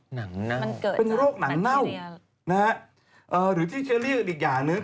หนังเน่าเป็นโรคหนังเน่านะฮะหรือที่แค่เรียกอีกอย่าง